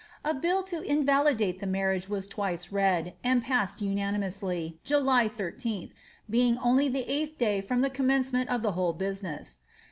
A bill to invalidate the marriage was twice read,, and passed unanimously, July 13th, being only the eighth day from the commencement of the whole business.'